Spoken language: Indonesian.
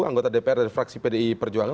anggota dpr dari fraksi pdi perjuangan